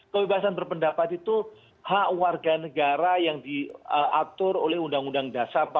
kebebasan berpendapat itu hak warga negara yang diatur oleh undang undang dasar empat puluh lima